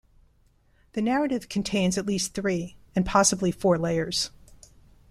The narrative contains at least three and possibly four layers.